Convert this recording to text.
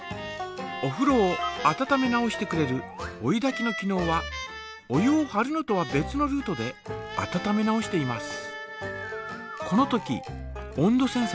おふろを温め直してくれる追いだきの機のうはお湯をはるのとは別のルートで温め直しています。